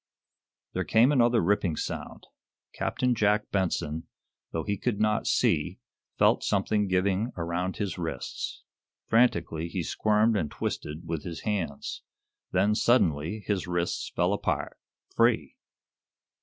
There came another ripping sound. Captain Jack Benson, though he could not see, felt something giving around his wrists. Frantically he squirmed and twisted with his hands. Then, suddenly, his wrists fell apart free!